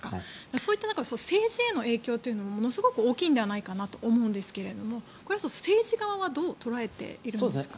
そういった中で政治への影響というのもものすごく大きいのではないかなと思うんですが政治側はどう捉えているんですかね。